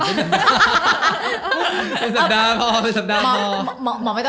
เป็นสัปดาห์ค่ะ